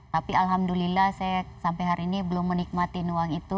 tapi alhamdulillah saya sampai hari ini belum menikmati nuang itu